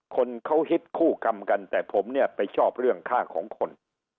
คนเขาฮิตคู่กรรมกันแต่ผมเนี่ยไปชอบเรื่องค่าของคน